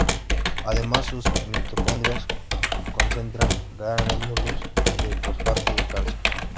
Además sus mitocondrias concentran gránulos de fosfato de calcio.